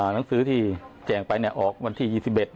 หนังสือที่แจ่งไปออกวันที่๒๑